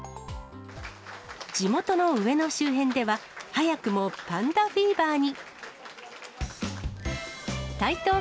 地元の上野周辺では、早くもパンダフィーバーに。